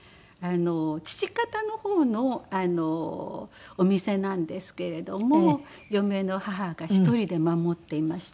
父方のほうのお店なんですけれども嫁の母が１人で守っていました。